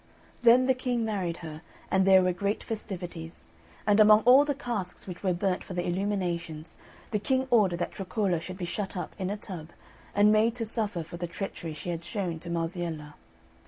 Then the King married her, and there were great festivities; and among all the casks which were burnt for the illuminations, the King ordered that Troccola should be shut up in a tub, and made to suffer for the treachery she had shown to Marziella.